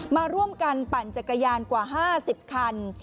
มาร่วมกันปั่นจักรยานกว่า๕๐คัน